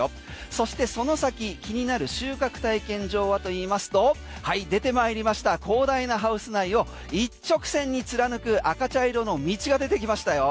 そしてその先気になる収穫体験場はといいますと出てまいりました広大なハウス内を一直線に貫く赤茶色の道が出てきましたよ。